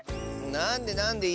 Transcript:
なんでなんで。